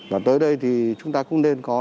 và tới đây thì chúng ta cũng nên có